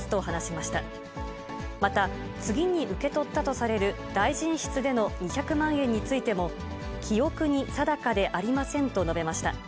また、次に受け取ったとされる大臣室での２００万円についても、記憶に定かでありませんと述べました。